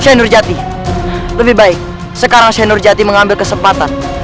shainur jati lebih baik sekarang shainur jati mengambil kesempatan